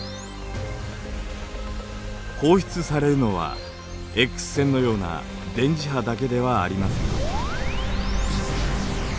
放出されるのはＸ線のような電磁波だけではありません。